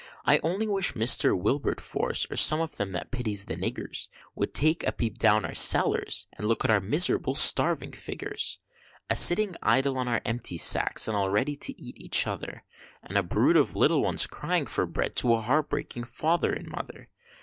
I only wish Mr. Wilberforce, or some of them that pities the niggers, Would take a peep down in our cellars, and look at our miserable starving figures, A sitting idle on our empty sacks, and all ready to eat each other, And a brood of little ones crying for bread to a heartbreaking Father and Mother.